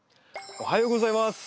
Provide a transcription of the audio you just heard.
おはようございます。